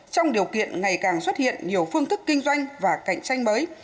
trong điều kiện ngày càng xuất hiện nhiều phương thức kinh doanh và cạnh tranh mới